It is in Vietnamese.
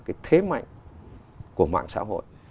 cái thế mạnh của mạng xã hội